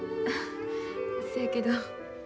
そやけど。